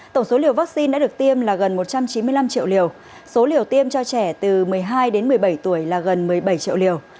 tổng số liều vaccine đã được tiêm là gần một trăm chín mươi năm triệu liều số liều tiêm cho trẻ từ một mươi hai đến một mươi bảy tuổi là gần một mươi bảy triệu liều